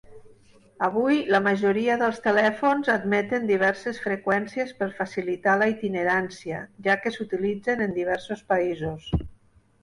Avui, la majoria dels telèfons admeten diverses freqüències per facilitar la itinerància, ja que s'utilitzen en diversos països.